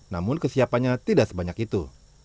namun kesiapannya tidak sebanyak itu